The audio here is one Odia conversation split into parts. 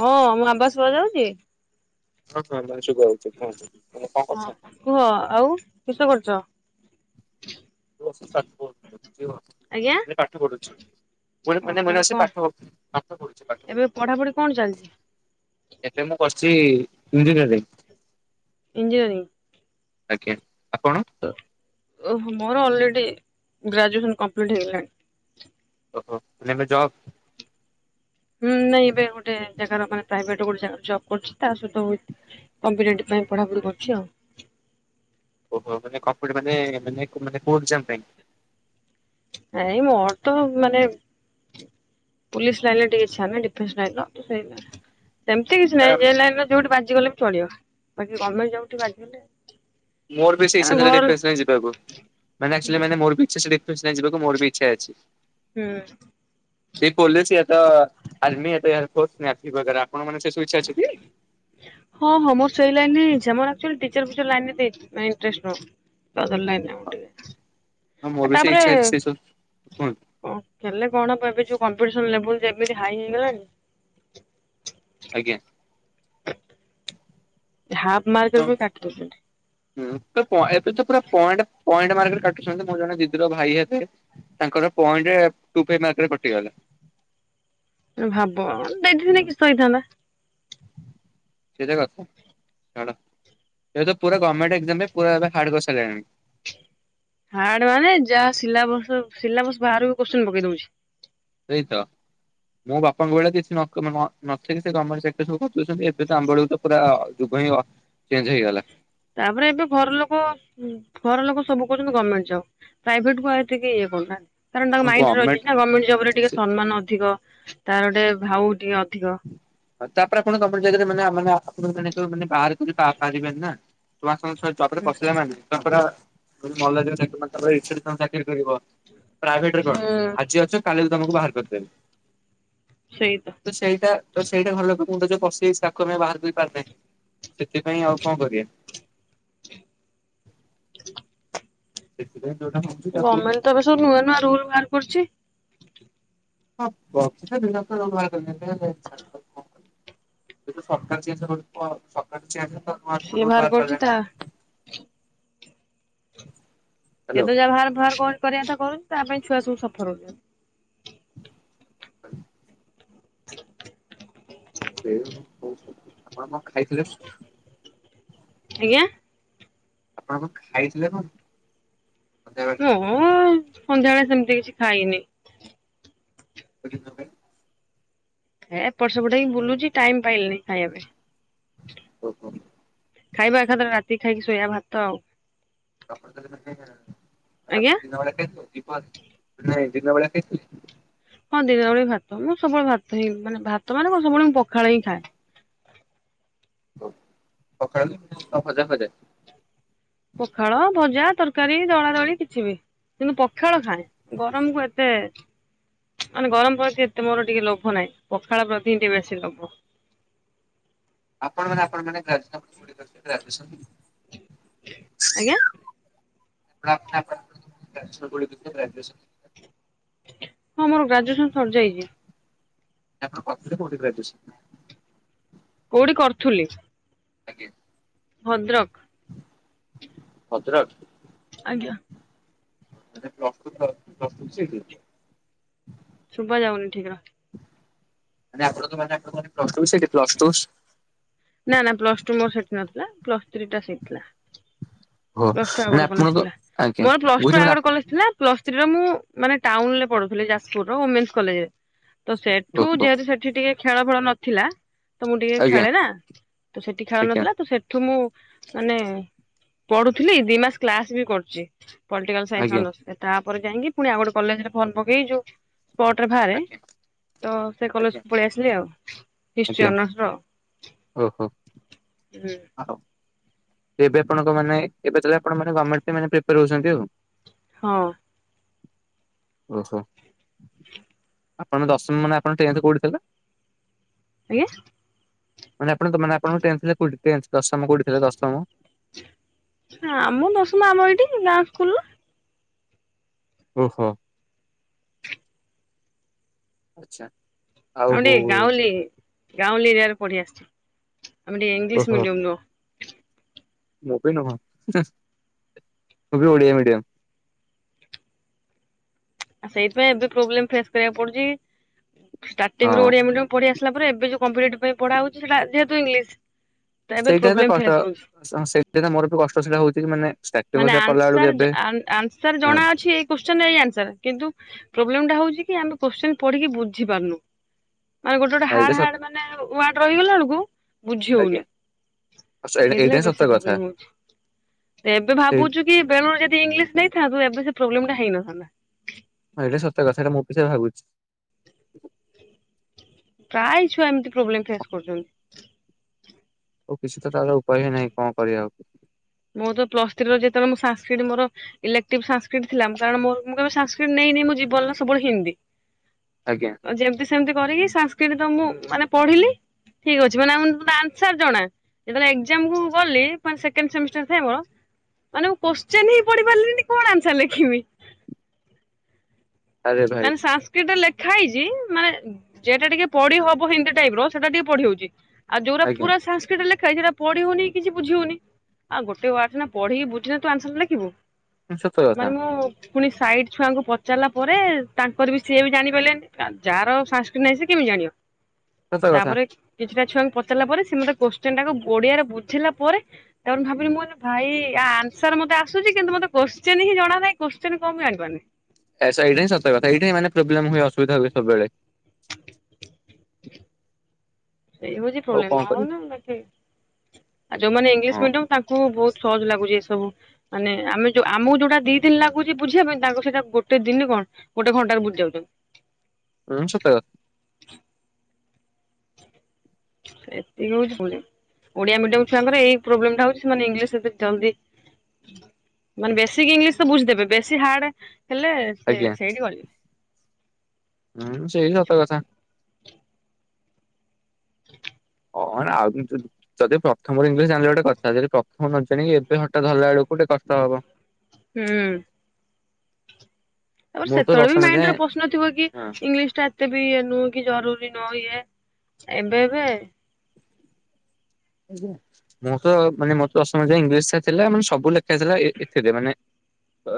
ହଁ ମୁଁ ଆବାସ ଶୁବା ଯାଉଛି? ହଁ ହଁ ମାସୁ କଉଛୁ କଛୁ ତେ କ କରଛ। ତ। ସ ବ ଆଜ୍ଞା େ ପାଠ ପଢୁଛି ପୁଣି ଓ ମାନେ ମନେ ଆସ କଣ ପାଠ ପାଠ ପଢୁଠ ପଢ ଏବେ ପଢାପଢି କଣ ଚାଲିଛି ଏବେ ମୁଁ। ଏ ଇଂଜିନିଅରିଙ୍ଗ ଏଇଞଜିନିରିଂ ଆଜ୍ଞା। ଆପଣ? ଓହୋ ମୋର ଅଲରେଡି ଗ୍ରାଜୁଏସନ କମ୍ପ୍ଲିଟ ହେଇଗଲାଣି। ଓହୋ ନମେ ଯବ। ହୁଁ ନାଇଁ ଏବେ ଗୋଟେ ାଗ ମାନେ ପ୍ରଭେଟ ଗୋଟେ ଜବ କରୁଛି ତା ସହି କମ୍ପ ପାଇଁ ପଢାପଢି କରୁଛି ଆଉ। ଓହୋ ମାନେ କପ ମାନେ ମାନୋନେ କୋ ଜ ପାଇଁ ନାଇଁ ମୋର ତ ମାନେ ପୁଲିସ ଲାଇନରେ ଟିକେ ଇଛା ନା ଡିଫେନ୍ସ ଲାଇନ ସେଇ ସେମିତି ଆ କିଛିହିଁ ଯେ ଲାଇନ ର ଯୋଉଠି ଆଜି ଗଲେ ଚଳିବକି ଗର୍ଣ୍ଣମେଣ୍ଟ ଯାଉିକ ଆଜିଗଲେ। ମୋର ବି ସେଇ ଇଛା ଥିଲା ଡିଫେନସ ଲାଇନ ରେ ଯିବାକୁ ମାନେ ଆକଚୁଆଲି ମାନେ ମୋର ଇଛା ସେଇ ଡିଫେନସ ଲାଇନରେ ଯିବାକୁ। ମର ବି ଇଛା ଅଛି। ହୁଁ । ସେି ପୋଲିସ ଏତ ଆର୍ମି ଏ ଫସ ନେଇ ଆି ବ ହଁ ହଁ ମୋର ଶୋଇଲଣିି ମରଚୁଆ ପ ପର ଲାଇନ ଦେଇ ଇଟଷ୍ଟଦ ଲାଇନ ଟିକେ ହଁ ମୋର ଆଉ ବି ସେଇ ତାପରେ ଇଚ୍ଛା ଅଛି ସେ ସବୁ କୁହନ୍ତୁ ହେଲେ କଣବ ଏବେ ଯୋଉ କମ୍ପିଟିସନ ଲେବୁଲ ଯେମିତି ହାଇିଗଲାଣି। ଆଜ୍ଞା। [unintelligible] ହାଫ ମାର ତ କରିବ କାଟିଛନ୍ତି। ହୁଁ ତ। ଏବେ ତ ପୁରା ପଏଣ୍ଟ। [inaudible] ଭାବ ଦେଇଦିନ କିସ ହୋଇଥାନ୍ତା। ସେଇଟା କଥା ଏ ତ ପୁରା ଗଭର୍ମଟାମ ପୁରା ଏ ହାର୍ଡ କରଣି। ହାର୍ଡ ମାନେ ଯାହା ସିଲାବସ ସିଲାବସ ବାକୁ କ ପକେଇ ଦଉଛି। ସେଇ ତ ମୁଁ ବାପାଙ୍କୁ ବେଳେ କିଛି ନି ସେ କାମରେ ସବ। ଛନ୍ତି ଏବେ ତ ଆମ୍ବଳକୁ ତ ପୁରା। ଯୁଗ ହ ଚେଞ୍ଜ ହେଇଗଲା। ତାପରେ ଏବେ ଘର ଲୋକ ଘର ଲୋକ ସବୁ କରୁଛନ୍ତି, ଗଭର୍ଣ୍ଣମେଣ୍ଟ ଜବ୍ ପ୍ରାଇଭେଟ କୁ ଆ ଏତିକି ଇଏ କରୁନାହାନ୍ତି। କାରଣ ତାଙ୍କ ମାଇଣ୍ଡରେ ରହିଛି ଗଭର୍ଣ୍ଣମେଣ୍ଟ ନା ଗର୍ଣ୍ଣେଣ୍ଟ ଜବ ଟିକେ ସେ ସମ୍ମାନ ଅଧିକ। ତାର ଗୋଟେ ଭାଉ ଟିକେ। ଅଧିକ ହଁ ତପେ କଣ କମ୍ପ ଜାଗା ମାନେ। ାନେ ଆପଣ ମାନେ ତ ମାନେ ବାହାର କରିପାରିବେ ନା ତ। ଚରେ ପଶିଲା ମା ଭଲ [inaudible] ତା ର ତଙ୍କୁ ଚାକିରି କରିବ। ପ୍ରାଇଭେଟରେ କଣ ହୁଁ। ଆଜି ଅଛ କାଲି। ତମକୁ ବାହାର କରିଦେବ୍। ସେଇ ତ। ତ ସେଇଟା ଘର ଲ ମୁଣ୍ଡ ରେ ଯୋଉ ପଶିକି ତାକୁ ଆମେ ବାହାର କରି ପାରନେ। ସେଥିପାଇଁ ଆଉ କଣ କରିବେ। ସେଖିଲ [inaudible] ଗଭର୍ଣ୍ଣମେଣ୍ଟ ତ ଏବେ ସବୁ ନୂଆ ନୂଆ ରୁଲ ବାହାର କରୁଛି। ହଁ [inaudible] ସରକାର ସର [unintelligible] କୁ ସିଏ ବାହାର ରୋାର କରୁଛି କର ତା [unintelligible] ସେ ହ୍ୟାଲୋ ତ ଯାହା ଭାର ଭାର କର। ପରତା କରୁଛି ତା ପାଇଁ ଛୁଆ ସବୁ ସଫର ହଉ। ହ ଆପଣ କଣ ଖାଇଥିଲେ? ଆଜ୍ଞା! ଆପଣ କଣ ଖାଇଥିଲେ କଣ? ମେବ [inaudible] ମୁଁ ସନ୍ଧ୍ୟାବେଳେ ସେମିତି କିଛି ଖାଇନି। ପଠଙ୍ଗ [inaudible] ଏପଟ ସେପଟ ହେଇକି ବୁଲୁଚି ଟାଇମ ପାଇଲିନି ଖାଇବା ପାଇଁ। ଓହୋ ଖାଇବା ଏକା ଥରକେ ରାତି ଖାଇକି ଶୋଇବା ଭାତ ଆଉ । କପଣ ତେ [inaudible] ଆଜ୍ଞା। ଆପଣ ଦିିନା କେଉ [inaudible] ନାଇଁ ଦିନ ବେଳିଆ ଖାଇଥିଲି ଦିନ ବେଳେ ଭାତ ମୁଁ ସବୁବେଳେ ଭାତ ହି ମାନେ ଭାତ ମାନେ ସବୁବେଳେ ଖଣ ହଁ ଖାଏ [inaudible] ସଖ ଅଜା ହୋଇଯାଏ [inaudible] ପଖାଳ ଭଜା ତରକାରୀ ଦଳା ଦଳି କିଛି ବି କିନ୍ତୁ, ପଖାଳ ଖାଏ ଗରମକୁ ଏତେ ମାନେ ଗରମ ପ୍ରତି ଏତେ ମୋର ଟିକେ ଲୋଭ ନାହିଁ ।ପଖାଳ ପ୍ରତି ହିଁ ଟିକେ ବେଶୀ ଲୋଭ। ଆପଣ ମାନେ ଆପଣ ମାନେ ଛନ୍ତି [inaudible] ଆଜ୍ଞା। ଗଜୁ [inaudible] ହଁ ମୋର ଗ୍ରାଜୁଏସନ ସରିଯାଇଛି। ଏ କ କଠାଇ [inaudible] କୋଉଠି କରୁଥିଲି? ଆଜ୍ଞା। ଭଦ୍ରକ ଭଦ୍ରକ ଆଜ୍ଞା। ଆଚାସ୍ତୁତ ପ୍ରସ୍ତୁତ ଶ [inaudible] ଶୁଭା ଯାଉନି ଠିକ ର ଆପଣ ତ ମାନେ ଆଣ କ୍ ଟୁ ବିଷ କ୍ଲଷ୍ଟ ଟୁ [inaudible] ନା ନା ପ୍ଲସ ଟୁ ମୋର ସେଠି ନଥିଲା ପ୍ଲସ ଥ୍ରୀ ଟା ସେଠିଥିଲା। ଓହୋ ପ୍ଲସ ଟୁ ଆଉ ମାନେ ଗୋଟେ ଆପଣ କଲେଜ ତ ଥିଲା ଆଜ୍ଞା ମୋର ପ୍ଲସ ଟୁ ବୁଝିଲି ଆଉ ମାନେ ଗୋଟେ କଲେଜ ଥିଲା ପ୍ଲସ ମୁଁ ମାନେ ଟାଉନରେ ପଢୁଥିଲି ଯାଜପୁର ର ଓମେନ୍ସ କଲେଜରେ। ତ ସେଠୁ ଓହୋ ଯେହେତୁ ସେଠି ଟିକେ ଖେଳ ଭଳ [inaudible] ନଥିଲା। ତ ମୁଁ ଟିକେ ଆଜ୍ଞା ଖେଳେ ନା ତ ସେଠି ଖେଳ ଆଜ୍ଞା ନଥିଲା ତ ସେଠୁ ମୁଁ ମାନେ ପଢୁଥିଲି ଦି ମାସ କ୍ଲାସ ବି କରୁଛି। ପଲିଟିକାଲ ଆଜ୍ଞା ସାଇନ୍ସ ପରେ ଯାଇକି ପୁଣି ଆ ଗୋଟେଲେଜରେ ଫର୍ମ ପକେଇ ସ୍ପଟ ରେ ବାହାରେ, ଆଜ୍ଞା ତ ସେ ଆଜ୍ଞା କଲେଜକୁ ପଳେଇ ଆସିଲି ଆଉ। ହିଷ୍ଟ୍ରି ଆଜ୍ଞା ଅନର୍ସ ର ଓହୋ। ହୁଁ। ଆଉ ଏବେ ଆପଣଙ୍କମାନେ ଏବେ ତାହେଲେ ଆପଣମାନେ ଗମେଣ୍ଟରେ ପ୍ରିପାୟାର ହେଉଛନ୍ତି ଆଉ। ହଁ। ଓହୋ। ଆପଣ ଦଶମମାନେ ଆପଣଙ୍କ ଟେନ୍ଥ କୋଉଠି ଦେଲେ। ଆଜ୍ଞା। ମାନେ ଆପଣ ତ ମାନେ ଆପଣଙ୍କ ଟେନ୍ଥ ଟେନ୍ଥ ଦଶମ କୋଉଠି ଦେଲେ ଦଶମ। ଆମ ଦଶମ ଆମ ଏଇଠି ଗାଁ ସ୍କୁଲ। ଓହୋ ଆଛା। ଗାଉଁଲି ଗାଉଁଲି ଗାଉଁଲି ଏରିଆରେ ପଡି ଆସିଛି। ଆମେ ଏଠି ଓହୋ ଇଂଲିଶମିଡ଼ିୟମ ନୁହଁ। ମୁଁ ବି ନୁହଁ ହୁଁ ମୁଁ ବି ଓଡ଼ିଆମିଡିୟମ ଆ ସେଇଥିପାଇଁ ଏବେ ପ୍ରୋବ୍ଲେମ ଫେସ କରିବାକୁ ପଡୁଛି। ଷ୍ଟାର୍ଟିଂରୁ ହଁ ଓଡିଆ ମିଡିୟମ ପଢି ଆସେ। ପରେ ଏବେ ଯଉ କମ୍ପଟିଭ ପାଇଁ ପଢା ହଉଛି ସେଟା ଯେହେତୁ ଇଂଲିଶ। ତ ଏବେ ସେଇଟା ତ ପ୍ରୋବ୍ଲେମ କଷ୍ଟ ଫେସ୍ ହଉଛି ସେଇଠି ମୋର ବି କଷ୍ଟ ସେଟା ହଉଛି ମାନେ ସେ ମାନେ ଷ୍ଟାରଟିଙ୍ଗ କଲା ବେଳକୁ ଆନ୍ସର ଏବେ ଆନ୍ସର ହଁ ଜଣା ଅଛି ଏଇ କୋଶ୍ଚନ ଏଇ ଆନ୍ସର କିନ୍ତୁ ପ୍ରୋବ୍ଲେ ଟା ହଉଛି କି ଆମେ କୋଶ୍ଚଚିନ ପଢିକି ବୁଝି ପାରୁନୁ। ଆଗେ ଗୋଟେ ଗୋଟେ ଏଇଟା ହାର୍ଡ ସତ ହାର୍ଡ଼ ମାନେ ୱାର୍ଡ ରହିଗଲା ବେଳକୁ ବୁଝି ଆଜ୍ଞା ହଉନି ଏଇଟା ସେଇଥିଲାଗି ହିଁ ସତ ବେଶି କଥା ପ୍ରୋବ୍ଲେମ ହଉଛି ଏବେ ସେଇ ଭାବୁଛୁ କି ବେଳୁରୁ ଯଦି ଇଂଲିଶ ନେଇଥାନ୍ତୁ ଏବେ ପ୍ରୋବ୍ଲେମ ଟା ହେଇନଥାନ୍ତା। ହଁ ଏଇଟା ସତ କଥା ମୁଁ ବି ସେୟା ଭାବୁଛି। ପ୍ରାୟ ଛୁଆ ଏମିତି ପ୍ରୋବ୍ଲେମ ଫେସ କରୁଛନ୍ତି। ଆଉ କିଛି ତ ତାର ଉପାୟ ନାହିଁ କଣ କରିବା ଆଉ ମୁଁ ତ ପ୍ଲସଥ୍ରୀରେ ଯେତେବେଳେ ମୁଁ ସାସ୍କ୍ରିଟ ମୋ ଇଲେକ୍ଟିଭ ସାସ୍କ୍ରିଟ ଥିଲା କାରଣ ମୁଁ ମୁଁ କେବେ ସାସ୍କ୍ରିଟ ନେଇନି ମୁଁ ମୋ ଜୀବନରେ ସବୁବେଳେ ହିନ୍ଦୀ ଆଜ୍ଞା ଯେମିତି ସେମିନ୍ତି କରି ସାସ୍କ୍ରିଟ ମୁଁ ମାନେ ପଢିଲି ଠିକ ଅଛି ମାନେ ମୁଁ ଆନ୍ସର ଜଣା ଯେତେବେଳେ ଏଗଜାମକୁ ଗଲି ଫାଷ୍ଟ ସେକେଣ୍ଡ ସେମିଷ୍ଟାର। ମାନେ ମୁଁ କୋଶଚିନ ପଢି ପାରିଲିନି କଣ ଆନ୍ସର ଲେଖିବି। ଆରେ ଭାଇ ମାନେ ସାସ୍କ୍ରିଟରେ ଲେଖ। ଶିଖା ହେଇଛି ମାନେ ଯେଟା ଟିକେ ପଢି ହବ ହିନ୍ଦୀ ଟାଇପ ର ସେଟା ଟିକେ ପଢି ହଉଛି। ଆଉ ଯଉରା ଆଜ୍ଞା ପୂରା ସାସ୍କ୍ରିଟରେ ଲେଖା ହେଇଛି। ପଢି ହଉନି କିଛି ବୁଝି ହଉନି ଆଉ ଗୋଟେ ୱାର୍ଡ ନା ପଢିକି ବୁଝି ତୁ ଆନସାର ଲେଖିବୁ। ସତ ମାନେ କଥା। ମୁଁ ପୁଣି ସାଇଟ୍ ଛୁଆଙ୍କୁ ପଚାରିଲା। ପରେ ତାଙ୍କର ବି ସିଏ ବି ଜାଣିପାରିଲେନି ଯାହାର ସାସ୍କ୍ରିଟ ନାହିଁ ସେ କେମିତି ଜାଣିବ। ସତ କଥା ତାପରେ କିଛିଟା। ଛୁଆଙ୍କୁ ପଚାରିଲ ପରେ ସେ ମୋତେ କୋଶ୍ଚିନଟାକୁ ଓଡିଆରେ ବୁଝିଲା ପରେ ତା ପରେ ଭାବିଲି ମୁଁ ଭାଇ ଆ ଆନ୍ସର ମତେ ଆସୁଛି କିନ୍ତୁ ମତେ କୋଶ୍ଚିନ ହିଁ ଜଣା ନାହିଁ କୋଶଚୀନ କଣ ମୁଁ ଜାଣିପାରୁନି। ଆଛା ଏଇଟା ହିଁ ସତ କଥା ଏଇଟାମାନେ ପ୍ରୋବ୍ଲେମ୍ ହୁଏ ଅସୁବିଧା ହଏ ସବୁବେଳେ। ସେଇ ହଉଛି ଆଉ ପ୍ରୋବ୍ଲେ କଣ କରିବି ନହଉନଖ ଆଉ ଯୋଉମାନେ ଇଂଲିଶ ହଁ ମିଡିମ ତାଙ୍କୁ ବହୁତ ସହଜ ଲାଗୁଛି ଏ ସବୁ ମାନେ ଆମେ ଯୋଉ ଆମକୁ ଯୋଉଟା ଦି ଦିନ ଲାଗୁଛି ବୁଝିବା ପାଇଁ ତାଙ୍କୁ ସେଇଟା ଗୋଟେ ଦିନ କଣ ଗୋଟେ ଘଣ୍ଟାରେ ବୁଝି ଯାଉଛନ୍ତି। ଉୁଁ ସତ କ ଏତିକି ହଉଛି ଓଡିଆ ମିଡିମ ଛୁଆଙ୍କର ଏଇ ପ୍ରୋବ୍ଲୋ ହଉଛିାନେ ଇଂଲିଶ ଏ ଜଲଦି ମାନେ ବେଶିକ ଇଂଲିଶ ତ ବୁଝିଦେବେ ବେଶୀ ହାର୍ଡ। ହେଲେ ସେ ଆଜ୍ଞା ସେଇଠି ଗଳିବେ ହୁଁ ସେଇ ସତ କଥା। ହଁ ଆଉ ଯଦି ପ୍ରଥମରୁ ଇଂଲିଶ ଜଣିଲ ଗୋଟେ କଥା ଯଦି ପ୍ରଥମ ନ ଜାଣିକି ଏବେ ହଠାତ୍ ଧରିଲା ବେଳକୁ ଟିକେ କଷ୍ଟ ହବ। ହୁଁ। ଆ ମୁଁ ତ ସେତେବେଳେ ବି ଦଶମ ଯାଏଁ ମାଇଣ୍ଡରେ ପ୍ରଶ୍ନ ଥିବ କି ହଁ ଇଂଲିଶ ଟା ଏତେ ବି ନୁଁ କି ଜରୁରୀ ନ ଏ ଏବେ ଏବେ। ଆଜ୍ଞା ମୁଁ ତ ମାନେ ମୋ ତ ଇଂଶ ଥିଲା ମାନେ ସବୁ କେସ ର୍ତେ ମାନେ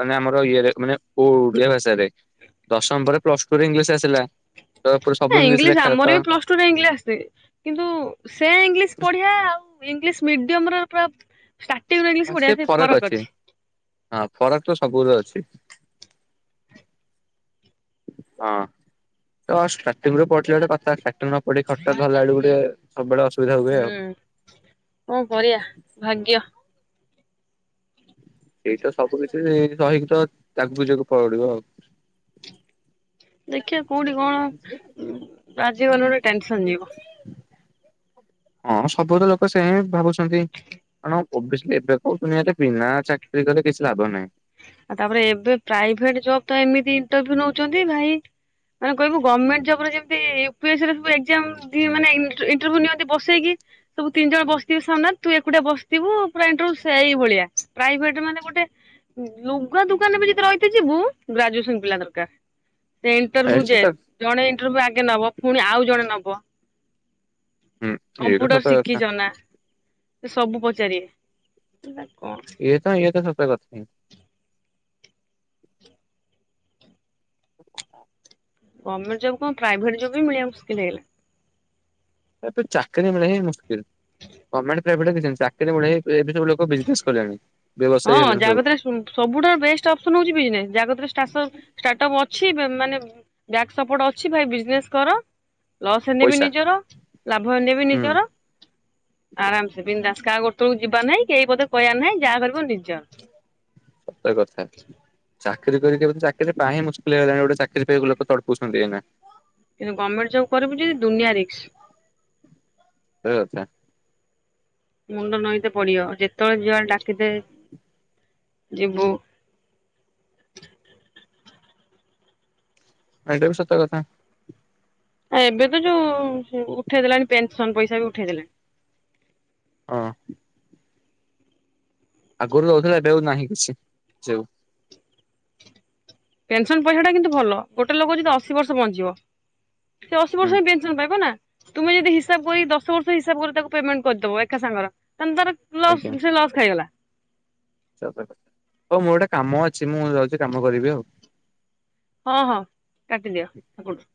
ମାନେ ଆମର ଇରେ ମାନେ ଓଡିଆ ଭାଷାରେ ଦଶମ ପରେ ପ୍ଲସ ଟରେ ଇଂଲିଶ ଆସିଲା। ତ ପୁରା ସବୁ ଇଂଲିଶ ଲେଖା ତ ଆମର ବି ପ୍ଲସ ଟୁରେ ଇଂଲିଶ ଆସି କିନ୍ତୁ ସେ ଇଂଲିଶ ପଢଆ ଆଉ। ଇଂଲିଶ ମିଡିୟମ ର ପୁରା। ଷ୍ଟାର୍ଟିଂଇ ପଢଆ ସେ ଫରକ ଅଛି। ଫରାକ ତ ସବୁରେ ଅଛି ହଁଟି ପ ଗୋଟେ କଥା। ଖ ନ ପଡ ଖଟଲା ବେଳକୁ ଗୋଟେ ସବୁବେଳେ ଅସୁବିଧା ହୁଏ ଆଉ। ହୁଁ କଣ କରିବା ଭାଗ୍ୟ ସେଇ ତ ସବୁ କିଛି ସହିକି ତ ତାକୁ ବୁଝିବାକୁ ପଡିବ ଆଉ। ଦେଖିବା କୋଉଠି କଣ ରାଜୀବନ ଗୋଟେ ଟେନସନ ଯିବ। ହଁ ସବୁ ତ ଲୋକ ସେ ହି ଭାବୁଛନ୍ତି କାରଣ ଏବେ କ ଦୁନିଆରେ ବିନା ଚାକିରୀ କଲେ କିଛି ଲାଭ ନାହିଁ। ଆଉ ତାପରେ ଏବେ ପ୍ରାଇଭେଟ ଜବ୍ ତ ଏମିତି ଇଣ୍ଟର୍ୟୁ ନଉଛନ୍ତି ଭାଇ ମାନେ କହିବୁ ଗଣ୍ଣମେଣ୍ଟ ଜବରେ ଯେମତିି ୟୁପିଏସି ରେ ସବୁ ଏକ୍ସାମ୍ ମାନେ ଇଣ୍ଟରୁ ନିଅନ୍ତି ବସେଇକି ସବୁ ତିନି ଜଣ ବସିଥିବୁ ସାମ୍ନାରେ ତୁ ଏକୁଟିଆ ବସିଥିବୁ ପୁର ଇଣ୍ୁଇ ଭଳିଆ ପ୍ରଭେଟ ମାନେ ଗୋଟେ ଲୁଗା ଦୁୋକାନରେବେ ଯଦି ରହିଥ ଯିବୁ ଗ୍ରାଜୁଏସନ ପିଲା ଦରକାର। ସେ ଇଣ୍ଟରଭ୍ୟୁ ଏଇଟା ଯେ ସତ ଜଣେ ଇଣ୍ଟରଭି୍ୟୁ ଆଗେ ନବ ପୁଣି ଆଉ ଜଣେ ନବ। ହୁଁ ଇଏ ତ କମ୍ପୁଟର ସତ କଥା ଶିଖିଛ ନା ସେ ସବୁ ପ। ଜାର। ଏ ତ ଏତ ସ। କଥା ପାଇଁ। [unintelligible] ଗଭର୍ଣ୍ଣମେଣ୍ଟ ଜବ୍ କଣ ପ୍ରାଇଭେଟ ଜବ୍ ବି ମିଳିବା ମୁସ୍କିଲ ହେଇଗଲା। ଏ ଚାକିରିୀ ମିଳେ ହଁ ମୁସ୍କ ଗର୍ଣ୍ଣମେଣ୍ଟ ପ୍ରଭେଟଛନ୍ତି ଚାକିରିୀ ମିଳେଁ। ହଁ ହେଲେଣି ସବୁ ଜାଗତରେ ସବୁଠାରୁ ବେଷ୍ଟ ଅପସନ ହଉଛି ବିଜନେସ୍ ଜାଗତରୋର୍ପ୍ ଅଛି। ମାନେ ବାକସପୋର୍ଟ ଅଛି ଭାଇ ବିଜନେସ କର। ଲସ୍ ହେନେ ବି ପଇସା ନିଜର ଲାଭ ଏନେବ ହୁଁ ନିଜର ଆରାମସ ବିନ୍ଧାସ କା ଗୋଟେ କେକୁ ଯିବା ନାାଇଁ। ଏଇ ପଦ କହିବାର ନାହିଁ ଯାହା କରିବ ନିର୍ଜ। ସତ କଥା। ଚାକିରି କରିକି ବ ଚାକିରି ପା ହଁ ମୁସ୍କିଲ ହେଇଲାଣି ଗୋଟେ ଚାକିରିକ ଲୋକ ତଡୁଛନ୍ତିଇନା। କିନ୍ତୁ ଗଭର୍ଣ୍ଣମେଣ୍ଟ ଜବ୍ କରିବୁ ଯଦ ଦୁନିଆ ରିକ୍ସ। ସେଥା [inaudible] ମୁଣ୍ଡ ନଈତେ ପଡିବ ଯେତେବେଳେ ଯିବା ଡାକିଦେ ଯିବୁ। ଏଇଟା ବି ସତା କଥା। ଆ ଏବେ ତ ଯୋଉ ଉଠେଇ ଦେଲାଣି ପେନସନ ପଇସା ବି ଉଠେଇ ଦେଲାଣି। ହଁ। ଆଗରୁ ରହୁଥିଲା ଏବେ ଆଉ ନାହିଁ କିଛି । ଯେଉ ପେନସନ ପଇସା ଟା କିନ୍ତୁ ଭଲ ଗୋଟେ ଲୋକ ଯଦି ଅଶୀ ବର୍ଷ ବଞ୍ଚିବ। ସେ ଅଶୀ ହୁଁ ବର୍ଷ ପେସନ ପାଇବ ନା। ତୁମେ ଯଦି ହିସାବ କରି ଦଶ ବର୍ଷ ହିସାବ କରି ତାକୁ ପେମେଣ୍ଟ କରିଦବ ଏକା ସାଙ୍ଗର। ତା ତାର ଲସ୍ ଆଜ୍ଞା ସେ ଲସ୍ ଖାଇଗଲା। କଥା [inaudible] ହଉ ମୋର ଗୋଟେ କାମ ଅଛି ମୁଁ ଯାଉଛି କାମ କରିବି ଆଉ। ହଁ ହଁ କାଟିଦିଅ ସେପଡୁ।